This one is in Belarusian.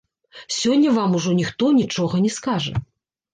Сёння вам ужо ніхто нічога не скажа.